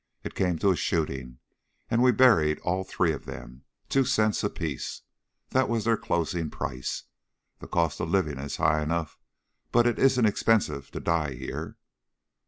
It came to a shooting, and we buried all three of them. Two cents apiece! That was their closing price. The cost of living is high enough, but it isn't expensive to die here."